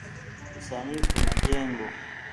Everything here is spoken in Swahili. usanifu majengo